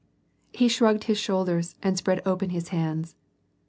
19 He shragged his shoulders and spread open his hands.